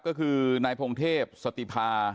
ก็คือนายพงเทพสติภา